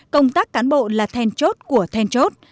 công tác cán bộ là then chốt của then chốt